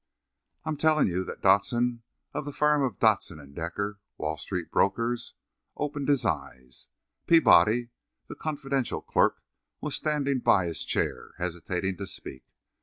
I am telling you that Dodson, of the firm of Dodson & Decker, Wall Street brokers, opened his eyes. Peabody, the confidential clerk, was standing by his chair, hesitating to speak.